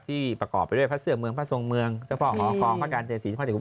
ประกอบไปด้วยพระเสื้อเมืองพระทรงเมืองเจ้าพ่อหอกองพระการเจสีพระศิว